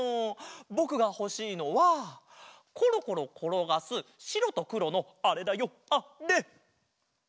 ぼくがほしいのはコロコロころがすしろとくろのあれだよあれ！